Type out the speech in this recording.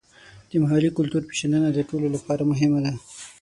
د محلي کلتور پیژندنه د ټولو لپاره مهمه ده.